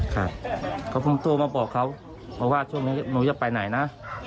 ครับก็ผมโทรมาบอกเขาว่าช่วงนี้หนูจะไปไหนนะ